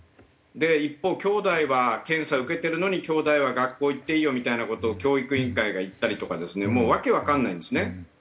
一方きょうだいは検査受けてるのにきょうだいは学校行っていいよみたいな事を教育委員会が言ったりとかですねもう訳わかんないんですね。